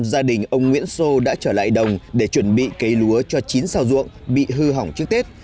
gia đình ông nguyễn sô đã trở lại đồng để chuẩn bị cây lúa cho chín sao ruộng bị hư hỏng trước tết